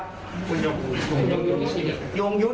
คุณยุมยุตวิชัยดิต